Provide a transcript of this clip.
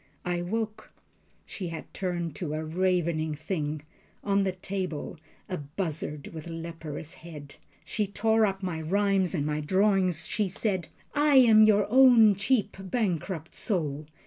I woke. She had turned to a ravening thing On the table a buzzard with leperous head. She tore up my rhymes and my drawings. She said: "I am your own cheap bankrupt soul.